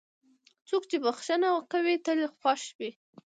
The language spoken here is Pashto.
څوک چې بښنه کوي، تل خوښ وي.